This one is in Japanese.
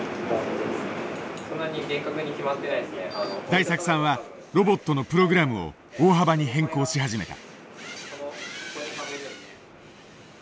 大作さんはロボットのプログラムを大幅に変更し始めた。